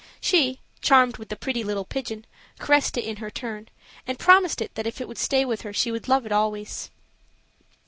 She, charmed with the pretty little pigeon, caressed it in her turn, and promised it that if it would stay with her she would love it always.